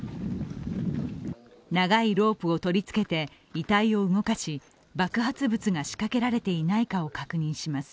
長いロープを取りつけて遺体を動かし、爆発物が仕掛けられていないかを確認します。